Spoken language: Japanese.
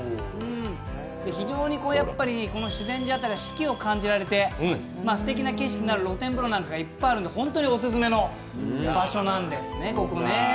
非常に修善寺辺りは四季を感じられて、すてきな景色のある露天風呂なんかがいっぱいあるので本当にオススメの場所なんです。